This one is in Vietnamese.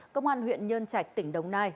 công an huyện nhơn trạch tỉnh đồng nai